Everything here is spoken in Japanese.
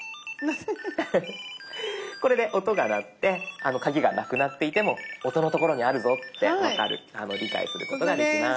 これで音が鳴ってカギがなくなっていても音の所にあるぞって分かる理解することができます。